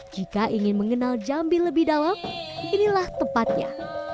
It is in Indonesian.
jika ingin mengenal jambi lebih dalam inilah tempatnya